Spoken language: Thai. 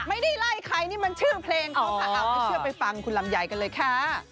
ไม่ได้ไล่ใครนี่มันชื่อเพลงเขาค่ะเอาไม่เชื่อไปฟังคุณลำไยกันเลยค่ะ